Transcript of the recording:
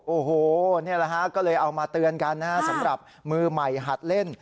โอ้โหนี่แหละฮะก็เลยเอามาเตือนกันนะฮะสำหรับมือใหม่หัดเล่น